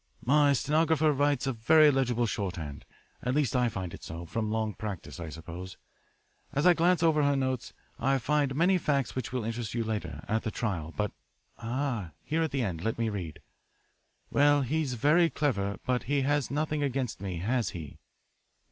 "My stenographer writes a very legible shorthand; at least I find it so from long practice, I suppose. As I glance over her notes I find many facts which will interest you later at the trial. But ah, here at the end let me read: "'Well, he's very clever, but he has nothing against me, has he?'